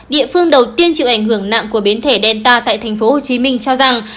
địa phương đầu tiên chịu ảnh hưởng nặng của biến thể delta tại tp hcm cho rằng